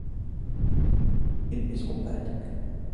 البس قبّعتك.